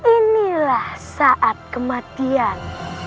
inilah saat kematian